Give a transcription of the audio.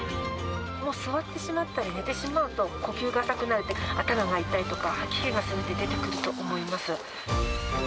もう座ってしまったり、寝てしまうと、呼吸が浅くなって、頭が痛いとか、吐き気がするって出てくると思います。